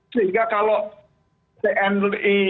sehingga kalau tni